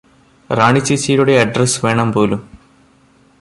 റാണി ചേച്ചിയുടെ അഡ്രെസ്സ് വേണംപോലും